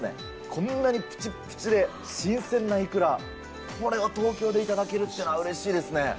こんなにぷちっぷちで新鮮なイクラ、これが東京で頂けるというのはうれしいですね。